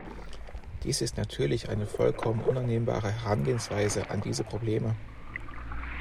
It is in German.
Dies ist natürlich eine vollkommen unannehmbare Herangehensweise an diese Probleme.